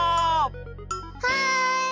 はい！